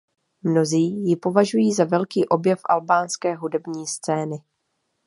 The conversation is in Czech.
Mnozí ji považují za velký objev albánské hudební scény.